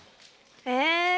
え？